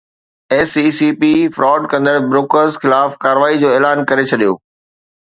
S E C P fraud ڪندڙ brokers خلاف ڪارروائي جو اعلان ڪري ڇڏيو